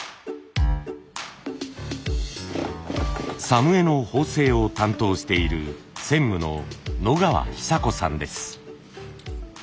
作務衣の縫製を担当している専務の野川尚子さんです。